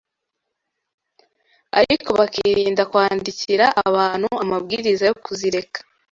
ariko bakirinda kwandikira abantu amabwiriza yo kuzireka